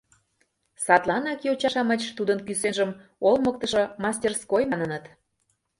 Садланак йоча-шамыч тудын кӱсенжым олмыктышо мастерской маныныт.